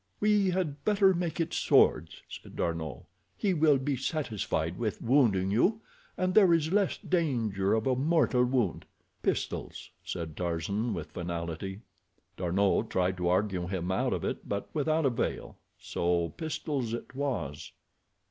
"We had better make it swords," said D'Arnot. "He will be satisfied with wounding you, and there is less danger of a mortal wound." "Pistols," said Tarzan, with finality. D'Arnot tried to argue him out of it, but without avail, so pistols it was.